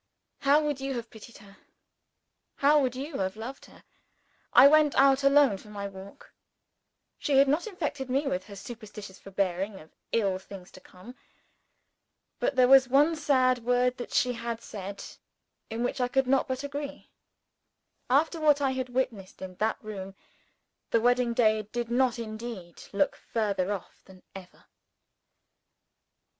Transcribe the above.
How you would have pitied her how you would have loved her! I went out alone for my walk. She had not infected me with her superstitious foreboding of ill things to come. But there was one sad word that she had said, in which I could not but agree. After what I had witnessed in that room, the wedding day did indeed look further off than ever.